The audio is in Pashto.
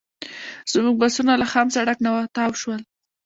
زموږ بسونه له خام سړک نه تاو شول.